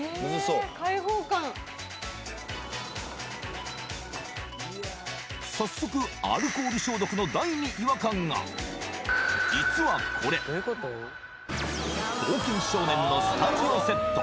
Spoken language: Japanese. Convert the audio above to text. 開放感早速アルコール消毒の台に違和感が実はこれ「冒険少年」のスタジオセット